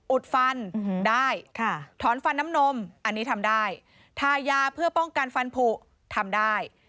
ฟันได้ถอนฟันน้ำนมอันนี้ทำได้ทายาเพื่อป้องกันฟันผูทำได้